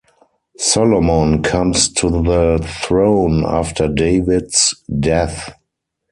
Solomon comes to the throne after David's death.